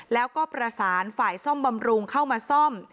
แล้วก็ประสานฝ่ายซ่อมบำรุงเข้ามาซ่อม